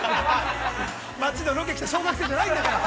◆町のロケに来た小学生じゃないんだから！